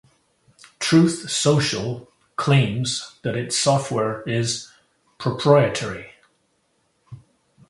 Truth Social claims that its software is "proprietary".